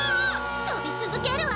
飛び続けるわ。